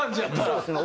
そうですね。